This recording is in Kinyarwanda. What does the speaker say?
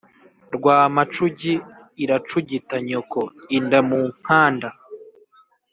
Rwamacugi iracugita nyoko.-Inda mu nkanda.